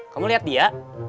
kamu liat dia